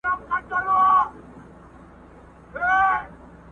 صوفي مخ پر دروازه باندي روان سو!.